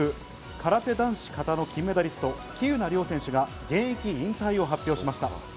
東京オリンピック空手男子・形の金メダリスト、喜友名諒選手が現役引退を発表しました。